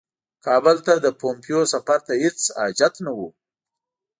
کابل ته د پومپیو سفر ته هیڅ حاجت نه وو.